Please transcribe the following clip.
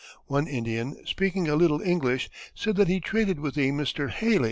One Indian, speaking a little English, said that he traded with a Mr. Haley.